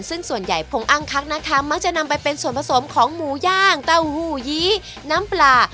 ซึ่งส่วนใหญ่พงอ้างคักนะคะมักจะนำไปเป็นส่วนผสมของหมูย่างเต้าหู้ยี้น้ำปลา